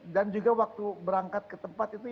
dan juga waktu berangkat ke tempat itu